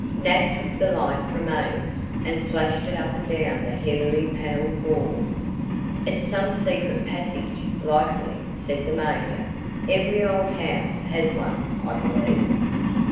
Nat took the light from Abe, and flashed it up and down the heavily paneled walls. "It's some secret passage, likely," said the major. "Every old house has one, I believe."